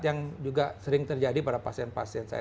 yang juga sering terjadi pada pasien pasien saya